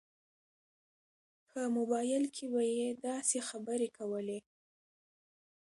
په موبایل کې به یې داسې خبرې کولې.